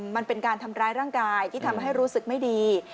มันเป็นการทำร้ายร่างกายที่ทำให้รู้สึกไม่ดี